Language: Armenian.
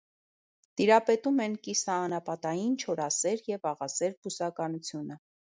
Տիրապետում են կիսաանապատային չորասեր և աղասեր բուսականությունը։